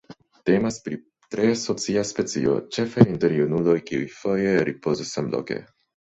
Temas pri tre socia specio, ĉefe inter junuloj kiuj foje ripozas samloke.